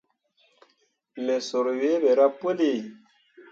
Me sur wǝǝ ɓerah puli.